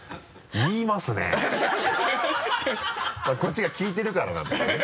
こっちが聞いてるからなんだけどね。